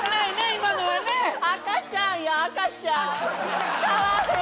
今のはね赤ちゃんよ赤ちゃんカワイイ！